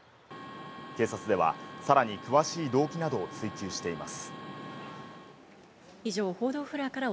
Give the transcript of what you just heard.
警察では、さらに詳しい動機などを追及しています。